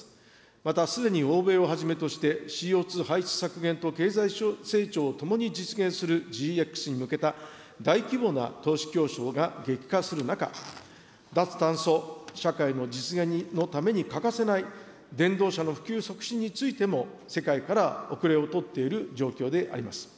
またすでに欧米をはじめとして、ＣＯ２排出削減と経済成長をともに実現するＧＸに向けた大規模な投資競争が激化する中、脱炭素社会の実現のために欠かせない電動車の普及促進についても世界から遅れをとっている状況であります。